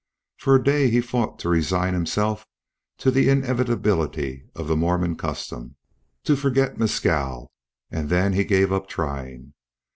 For a day he fought to resign himself to the inevitability of the Mormon custom, to forget Mescal, and then he gave up trying.